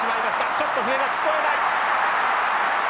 ちょっと笛が聞こえない。